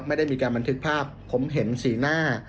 ไม่ได้มีการบันทึกภาพผมเห็นสีหน้า